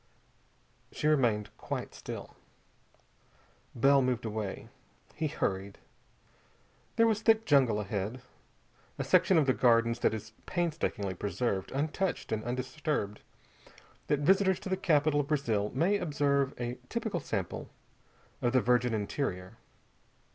She remained quite still. Bell moved away. He hurried. There was thick jungle ahead, a section of the Gardens that is painstakingly preserved untouched and undisturbed, that visitors to the capital of Brazil may observe a typical sample of the virgin interior.